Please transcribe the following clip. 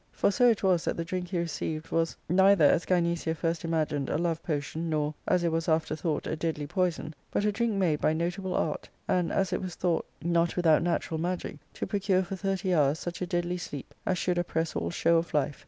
For so it was that the drink he received was neither, as Gynecia first imagined, a love potion, nor, as it was after thought, a deadly poison, but a drink made by notable art, and, as it was thought, not without natural magic, to procure for thirty hours such a deadly sleep as should oppress all show of life.